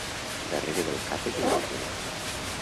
Darrere del cap és un àngel.